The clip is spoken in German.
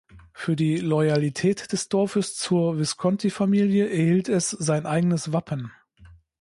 Für die Loyalität des Dorfes zur Visconti-Familie erhielt es sein eigenes Wappen.